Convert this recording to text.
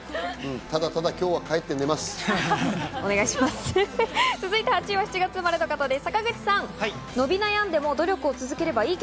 ただただ今日は帰って寝ます。